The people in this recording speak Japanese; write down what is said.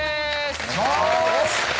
お願いします。